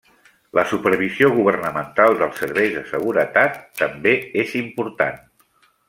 La supervisió governamental dels serveis de seguretat també és important.